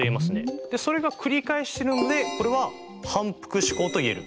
それがくり返してるのでこれは反復試行と言える。